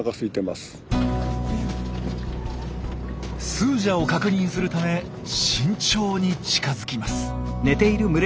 スージャを確認するため慎重に近づきます。